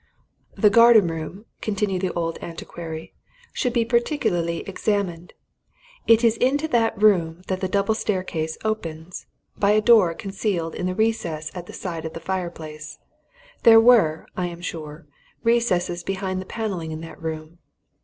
"The garden room," continued the old antiquary, "should be particularly examined. It is into that room that the double staircase opens by a door concealed in the recess at the side of the fire place. There were, I am sure, recesses behind the panelling in that room.